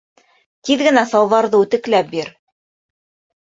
Тиҙ генә салбарҙы үтекләп бир!